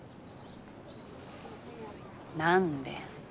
何で？